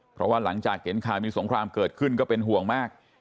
เพราะว่าหลังจากเห็นข่าวมีสงครามเกิดขึ้นก็เป็นห่วงมาก